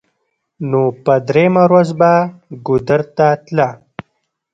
نو په درېمه ورځ به ګودر ته تله.